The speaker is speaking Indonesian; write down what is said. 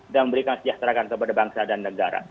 dan memberikan kesejahteraan kepada bangsa dan negara